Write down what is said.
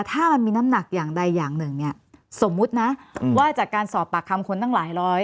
ถ้ามันมีน้ำหนักอย่างใดอย่างหนึ่งเนี่ยสมมุตินะว่าจากการสอบปากคำคนตั้งหลายร้อย